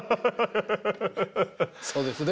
そうですね。